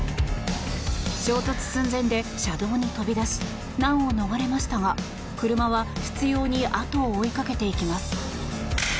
衝突寸前で車道に飛び出し難を逃れましたが車は執ように後を追いかけていきます。